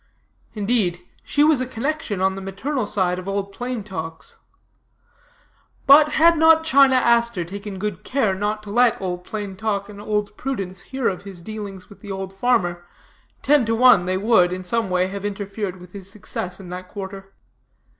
Indeed, she was a connection on the maternal side of Old Plain Talk's. But had not China Aster taken good care not to let Old Plain Talk and Old Prudence hear of his dealings with the old farmer, ten to one they would, in some way, have interfered with his success in that quarter.